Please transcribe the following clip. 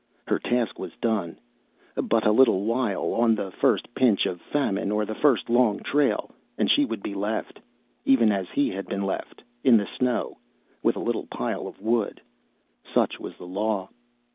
Her task was done. But a little while, on the first pinch of famine or the first long trail, and she would be left, even as he had been left, in the snow, with a little pile of wood. Such was the law.